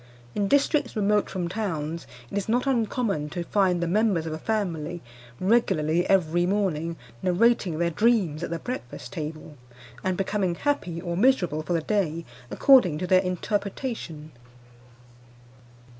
In districts remote from towns it is not uncommon to find the members of a family regularly every morning narrating their dreams at the breakfast table, and becoming happy or miserable for the day according to their interpretation.